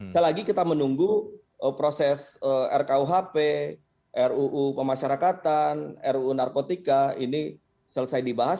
selagi kita menunggu proses rkuhp ruu pemasyarakatan ruu narkotika ini selesai dibahas